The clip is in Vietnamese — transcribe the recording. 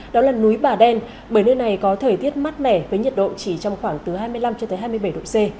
đó là núi bà đen bởi nơi này có thời tiết mát mẻ với nhiệt độ chỉ trong khoảng từ hai mươi năm cho tới hai mươi bảy độ c